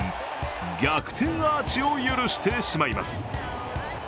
逆転アーチを許してしまいます。